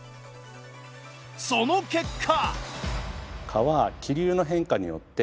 その結果。